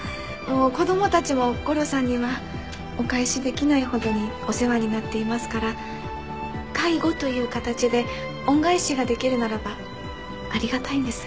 子供たちもゴロさんにはお返しできないほどにお世話になっていますから介護という形で恩返しができるならばありがたいです。